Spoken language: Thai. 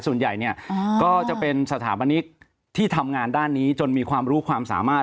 ส่วนใหญ่เนี่ยก็จะเป็นสถาปนิกที่ทำงานด้านนี้จนมีความรู้ความสามารถ